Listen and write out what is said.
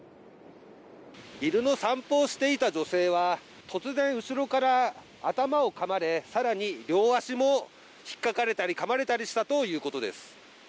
犬の散歩をしていた女性は、突然、後ろから頭をかまれ、さらに両足もひっかかれたりかまれたりしたということです。